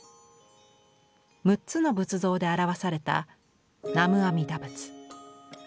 ６つの仏像で表された「南無阿弥陀仏」。